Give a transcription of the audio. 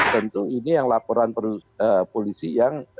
tentu ini yang laporan polisi yang